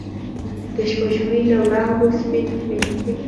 د سپوږمۍ له وړانګو سپین، سپین